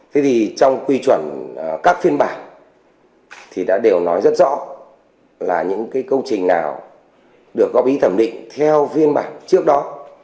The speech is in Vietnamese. thế thì trong quy chuẩn các phiên bản thì đã đều nói rất rõ là những cái công trình nào được góp ý thẩm định theo phiên bản trước đó